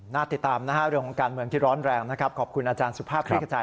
น่าติดตามเรื่องของการเมืองที่ร้อนแรงขอบคุณอาจารย์สภาพพลิกระจาย